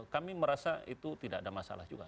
kami merasa itu tidak ada masalah juga